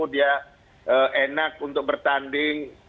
dia enak untuk bertanding